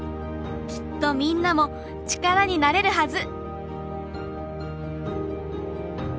きっとみんなも力になれるはず。